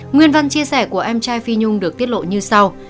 nguyên văn chia sẻ của em trai phi nhung được tiết lộ như sau